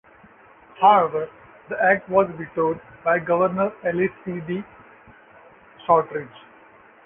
However, the act was vetoed by Governor Eli C. D. Shortridge.